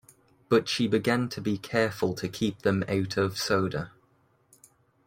But she began to be careful to keep them out of soda.